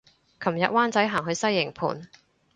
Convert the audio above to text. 琴日灣仔行去西營盤